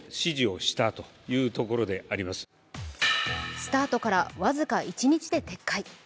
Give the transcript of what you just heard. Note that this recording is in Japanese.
スタートから僅か１日で撤回。